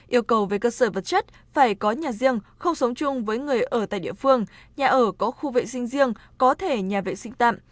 yêu cầu về cơ sở vật chất phải có nhà riêng không sống chung với người ở tại địa phương nhà ở có khu vệ sinh riêng có thể nhà vệ sinh tạm